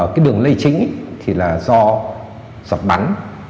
cái đường lây chính thì là do giọt bắn